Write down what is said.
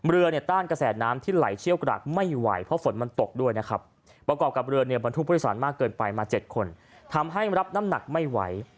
เรือเนี่ยต้านกระแสน้ำที่ไหลเชี่ยวกรากไม่ไหวเพราะฝนมันตกด้วยนะครับประกอบกับเรือเนี่ยบรรทุกผู้โดยสารมากเกินไปมา๗คนทำให้รับน้ำหนักไม่ไหว